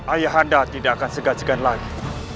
ayahanda tidak akan segajakan lagi